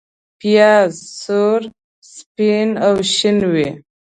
پیاز سور، سپین او شین وي